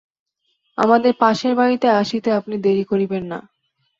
আমাদের পাশের বাড়িতে আসিতে আপনি দেরি করিবেন না।